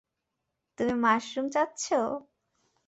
তুমি মাশরুম চাচ্ছ?